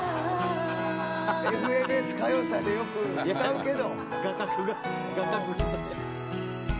「ＦＮＳ歌謡祭」でよく歌うけど。